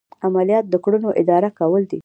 عملیات د کړنو اداره کول دي.